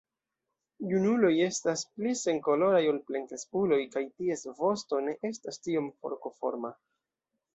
Junuloj estas pli senkoloraj ol plenkreskuloj kaj ties vosto ne estas tiom forkoforma.